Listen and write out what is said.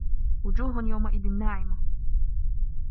وُجوهٌ يَومَئِذٍ ناعِمَةٌ